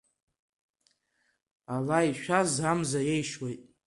Ала ишәаз амза иеишуеит!